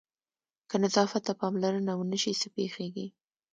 که نظافت ته پاملرنه ونه شي څه پېښېږي؟